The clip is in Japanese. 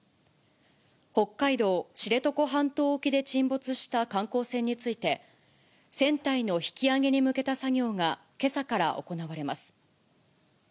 北海道知床半島沖で沈没した観光船について、船体の引き揚げに向けた作業がけさから行われます。